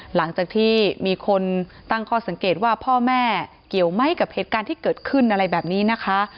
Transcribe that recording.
หลังจากที่มีคนตั้งข้อสังเกตว่าพ่อแม่เกี่ยวไหมกับเหตุการณ์ที่เกิดขึ้นอะไรแบบนี้นะคะ